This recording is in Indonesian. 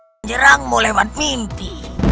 menjerangmu lewat mimpi